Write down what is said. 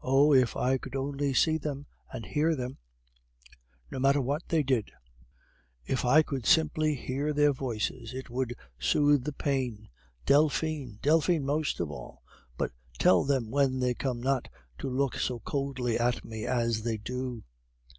Oh! if I could only see them, and hear them, no matter what they said; if I could simply hear their voices, it would soothe the pain. Delphine! Delphine most of all. But tell them when they come not to look so coldly at me as they do.